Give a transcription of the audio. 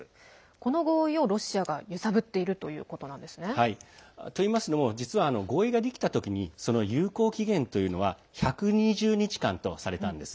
この合意をロシアが揺さぶっているということなんですね？といいますのも合意ができた時にその有効期限というのは１２０日間とされたんです。